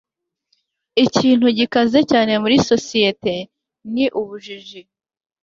ikintu gikaze cyane muri sosiyete ni ubujiji